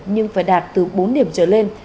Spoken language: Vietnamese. nhưng phải đạt từ bốn điểm trở lên